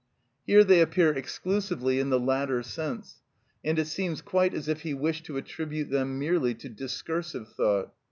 Here they appear exclusively in the latter sense, and it seems quite as if he wished to attribute them merely to discursive thought.